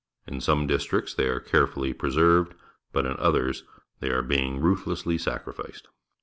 In some districts they are carefully preserved, but in others they are being ruthlessly sacrificed.